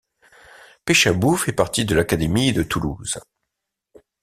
Péchabou fait partie de l'académie de Toulouse.